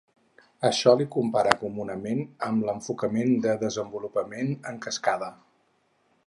A això l'hi compara comunament amb l'enfocament de desenvolupament en cascada.